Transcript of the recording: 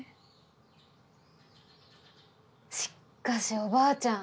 しっかしおばあちゃん